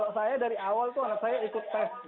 kalau saya dari awal itu anak saya ikut tes